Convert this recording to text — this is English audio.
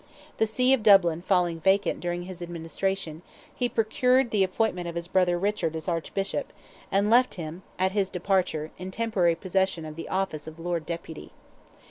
The see of Dublin falling vacant during his administration, he procured the appointment of his brother Richard as Archbishop, and left him, at his departure, in temporary possession of the office of Lord Deputy.